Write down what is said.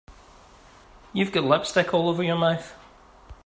You've got lipstick all over your mouth.